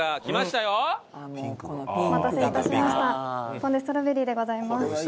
ポン・デ・ストロベリーでございます。